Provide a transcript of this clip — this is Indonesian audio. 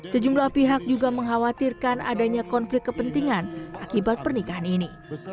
sejumlah pihak juga mengkhawatirkan adanya konflik kepentingan akibat pernikahan ini